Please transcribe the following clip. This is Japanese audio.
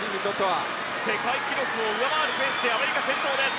世界記録を上回るペースでアメリカ先頭です。